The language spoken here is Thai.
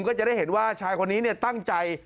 ก็จะได้เห็นว่าชายคนนี้ตั้งใจ